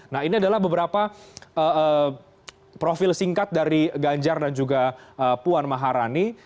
nah ini adalah beberapa profil singkat dari ganjar dan juga puan maharani